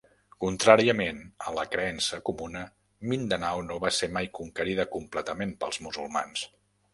Contràriament a la creença comuna, Mindanao no va ser mai conquerida completament pels musulmans.